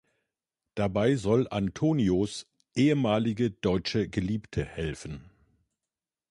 Dabei soll Antonios ehemalige deutsche Geliebte helfen.